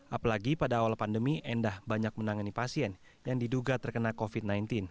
apalagi pada awal pandemi endah banyak menangani pasien yang diduga terkena covid sembilan belas